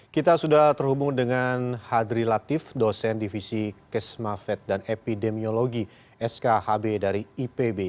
kita sudah terhubung dengan hadri latif dosen divisi kesmafet dan epidemiologi skhb dari ipb